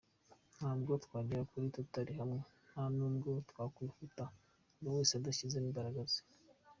Ntabwo twagera kuri turari hamwe, nta nubwo twakwihuta buri wese adashyizemo imbaraga ze”.